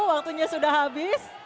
waktunya sudah habis